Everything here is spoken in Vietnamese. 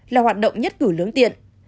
là hoạt động nhất cử lưỡng tiện